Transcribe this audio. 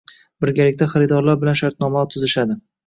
Birgalikda xaridorlar bilan shartnomalar tuzishadi.